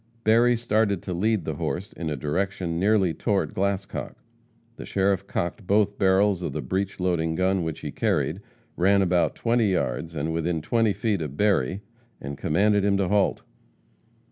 Berry started to lead the horse in a direction nearly toward Glascock. The sheriff cocked both barrels of the breech loading gun which he carried, ran about twenty yards and within twenty feet of Berry, and commanded him to halt.